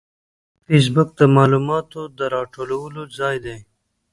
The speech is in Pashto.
فېسبوک د معلوماتو د راټولولو ځای دی